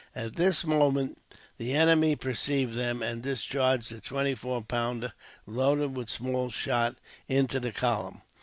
At this moment the enemy perceived them, and discharged a twenty four pounder, loaded with small shot, into the column.